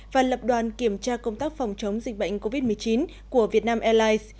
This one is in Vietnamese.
và lập đoàn kiểm tra công tác phòng chống dịch bệnh covid một mươi chín của việt nam airlines